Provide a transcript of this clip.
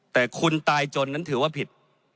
แต่คุณตายจนนั้นถือว่าผิด